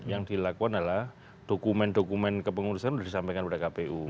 yang dilakukan adalah dokumen dokumen kepengurusan sudah disampaikan kepada kpu